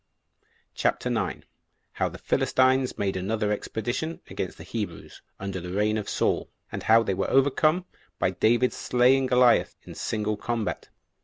CHAPTER 9. How The Philistines Made Another Expedition Against The Hebrews Under The Reign Of Saul; And How They Were Overcome By David's Slaying Goliath In Single Combat.